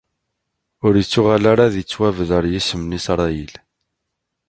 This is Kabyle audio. Ur ittuɣal ara ad d-ittwabder yisem n Isṛayil.